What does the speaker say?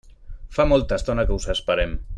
Fa molta estona que us esperem.